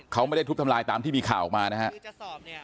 เขาไม่ได้ทุบทำลายตามที่มีข่าวออกมานะครับ